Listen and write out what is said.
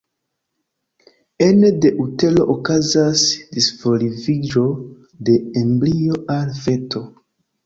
Ene de utero okazas disvolviĝo de embrio al feto.